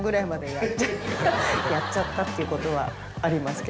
やっちゃったっていうことはありますけど。